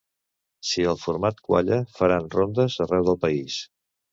Si el format qualla, faran rondes arreu del país.